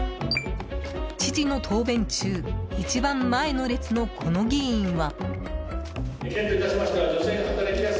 知事の答弁中一番前の列のこの議員は。